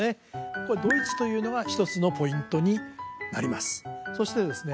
これドイツというのが一つのポイントになりますそしてですね